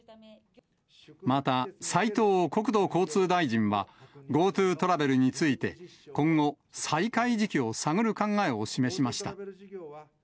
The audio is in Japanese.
また、斉藤国土交通大臣は、ＧｏＴｏトラベルについて、今後、再開時期を探る考えを示しました。